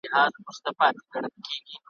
دا دزړه خواله دننګیالي واوره